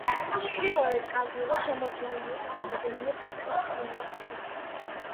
ჩრდილოეთ კალთაზე შემორჩენილია რამდენიმე პატარა მყინვარული ცირკი.